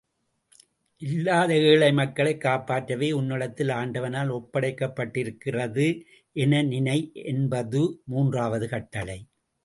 இல்லாத ஏழை மக்களைக் காப்பாற்றவே உன்னிடத்தில் ஆண்டவனால் ஒப்படைக்கப்பட்டிருக்கிறது என நினை என்பதுது மூன்றாவது கட்டளை.